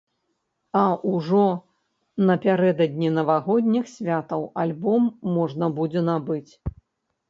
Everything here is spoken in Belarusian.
А ужо напярэдадні навагодніх святаў альбом можна будзе набыць.